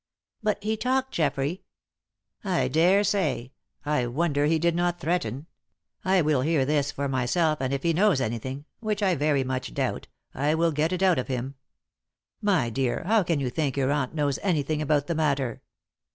"But he talked, Geoffrey " "I daresay; I wonder he did not threaten! I will this for myself and if he knows anything which I very much doubt I will get it out of him. My dear, how can you think your aunt knows anything about the matter?